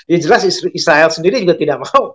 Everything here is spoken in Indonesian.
yang jelas israel sendiri juga tidak mau